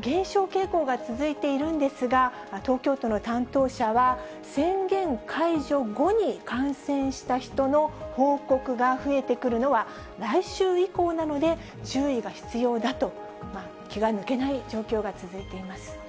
減少傾向が続いているんですが、東京都の担当者は、宣言解除後に感染した人の報告が増えてくるのは来週以降なので、注意が必要だと、気が抜けない状況が続いています。